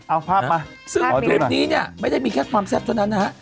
เอาภาพมาซึ่งคลิปนี้เนี่ยไม่ได้มีแค่ความแซ่บเท่านั้นนะฮะ